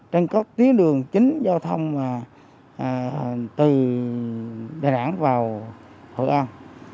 trên các tuyến đường chính giao thông từ đà nẵng vào hội an